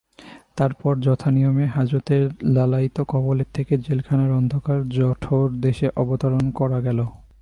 তার পরে যথানিয়মে হাজতের লালায়িত কবলের থেকে জেলখানার অন্ধকার জঠরদেশে অবতরণ করা গেল।